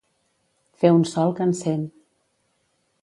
Fer un sol que encén.